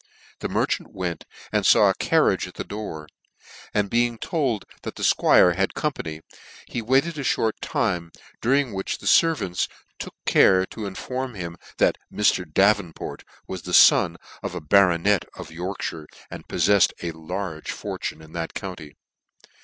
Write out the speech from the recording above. The mer cer went, and faw a carriage at the door, and be ing told that the 'fquire had company, he waited a fhort time, during which the fervants took care to inform him that Mr. Davenport, was the fon of a baronet of Yorkfhire, and polfetied a large for tune in that county.